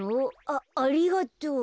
あありがとう。